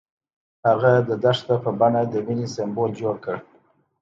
هغه د دښته په بڼه د مینې سمبول جوړ کړ.